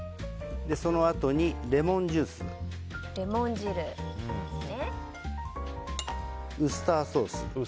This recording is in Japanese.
そのあとにレモンジュースウスターソース。